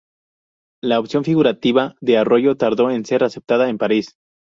La opción figurativa de Arroyo tardó en ser aceptada en París.